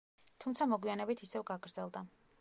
თუმცა მოგვიანებით ისევ გაგრძელდა.